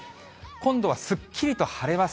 今度はすっきりと晴れます。